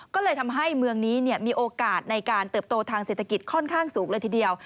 ก็เลยทำให้เมืองนี้มีโอกาสในการเติบโตทางเศรษฐกิจค่อนข้างสูงเลยทีเดียว